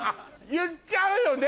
言っちゃうよね